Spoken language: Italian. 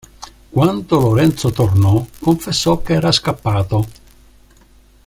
Quando Lorenzo tornò, confessò che era scappato.